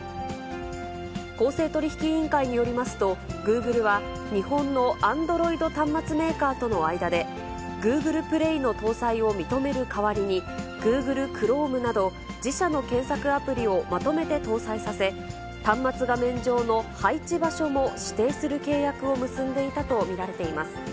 公正取引委員会によりますと、グーグルは、日本のＡｎｄｒｏｉｄ端末メーカーとの間で、グーグルプレイの搭載を認める代わりに、グーグルクロームなど、自社の検索アプリをまとめて搭載させ、端末画面上の配置場所も指定する契約を結んでいたと見られています。